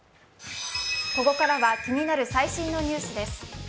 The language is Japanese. ここからは気になる最新のニュースです。